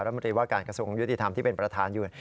รัฐมนตรีว่าการกระทรวงยุติธรรมที่เป็นประธานอยู่